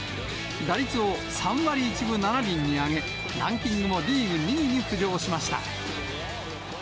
打率を３割１分７厘に上げ、ランキングもリーグ２位に浮上しました。